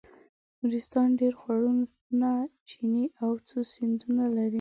نورستان ډېر خوړونه چینې او څو سیندونه لري.